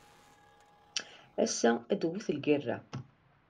Assa-a ad tewwet lgerra.